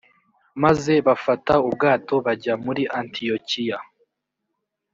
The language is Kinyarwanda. maze bafata ubwato bajya muri antiyokiya